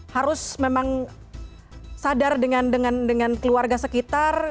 harus memang sadar dengan keluarga sekitar